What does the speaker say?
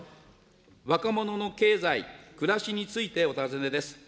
若者の経済、暮らしについて、お尋ねです。